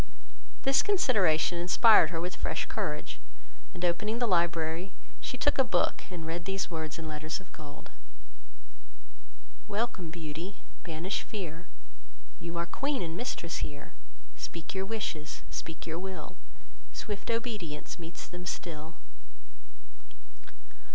This consideration inspired her with fresh courage; and opening the library, she took a book, and read these words in letters of gold: "Welcome, Beauty, banish fear, You are queen and mistress here; Speak your wishes, speak your will, Swift obedience meets them still."